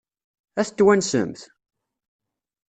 Ad t-twansemt?